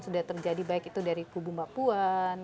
sudah terjadi baik itu dari kubu mbak puan